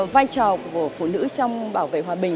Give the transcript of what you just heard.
vai trò của phụ nữ trong bảo vệ hòa bình